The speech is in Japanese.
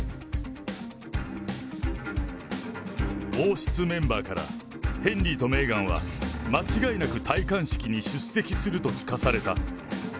王室メンバーから、ヘンリーとメーガンは間違いなく戴冠式に出席すると聞かされた。